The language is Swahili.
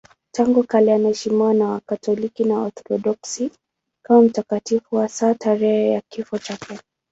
Tangu kale anaheshimiwa na Wakatoliki na Waorthodoksi kama mtakatifu, hasa tarehe ya kifo chake.